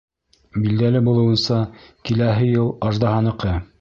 — Билдәле булыуынса, киләһе йыл Аждаһаныҡы.